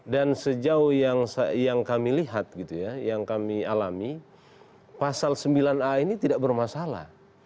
dan sejauh yang kami lihat gitu ya yang kami alami pasal sembilan a ini tidak bermasalah